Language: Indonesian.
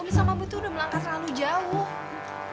omis sama bu tuh udah melangkah terlalu jauh